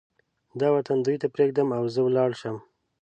دا وطن دوی ته پرېږدم او زه ولاړ شم.